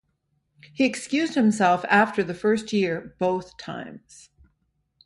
He excused himself after the first year both times.